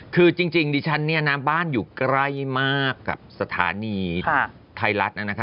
คือจริงดิฉันเนี่ยนะบ้านอยู่ใกล้มากกับสถานีไทยรัฐนะคะ